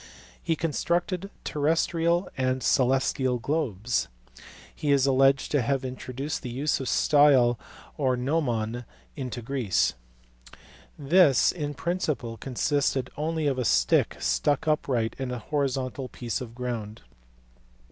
He constructed terrestrial and celestial globes. He is alleged to have introduced the use of the style or gnomon into Greece. This, in principle, consisted only of a stick stuck upright in a horizontal piece of ground.